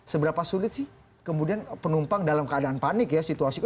seberapa sulit sih kemudian penumpang dalam keadaan panik ya situasi